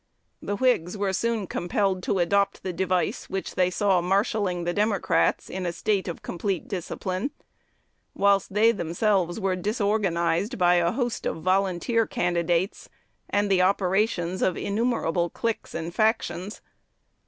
The Whigs were soon compelled to adopt the device which they saw marshalling the Democrats in a state of complete discipline; whilst they themselves were disorganized by a host of volunteer candidates and the operations of innumerable cliques and factions.